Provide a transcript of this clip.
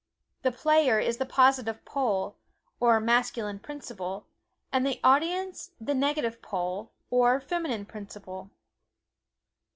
The player is the positive pole, or masculine principle; and the audience the negative pole, or feminine principle.